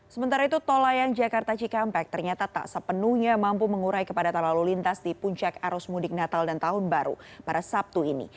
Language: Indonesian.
sementara itu tol layang jakarta cikampek ternyata tak sepenuhnya mampu mengurai kepadatan lalu lintas di puncak arus mudik natal dan tahun baru pada sabtu ini